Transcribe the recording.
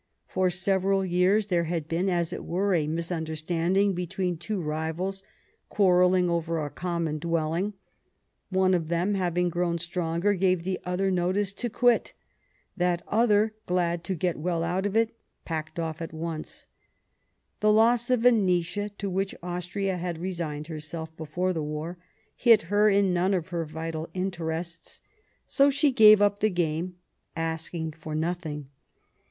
For several years there had been, as it were, a misunder standing between two rivals quarrelling over a commxon dwelling ; one of them, having grown stronger, gave the other notice to quit ; that other, glad to get well out of it, packed off at once. The loss of Venetia, to which Austria had resigned herself before the war, hit her in none of her vital interests ; so she gave up the game, asking for nothing.